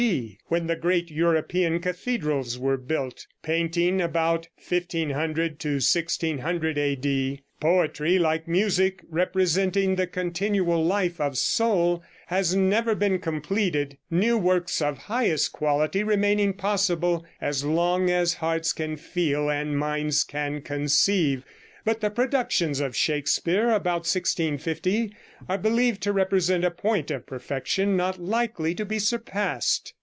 D., when the great European cathedrals were built; painting about 1500 to 1600 A.D. Poetry, like music, representing the continual life of soul, has never been completed, new works of highest quality remaining possible as long as hearts can feel and minds can conceive; but the productions of Shakespeare, about 1650, are believed to represent a point of perfection not likely to be surpassed.